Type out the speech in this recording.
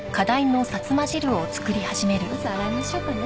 まず洗いましょうかね。